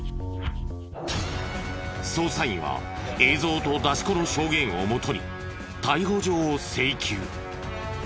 捜査員は映像と出し子の証言をもとに逮捕状を請求。